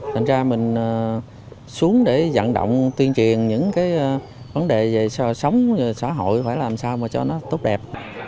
thành ra mình xuống để dẫn động tuyên truyền những cái vấn đề về sống xã hội phải làm sao mà cho nó tốt đẹp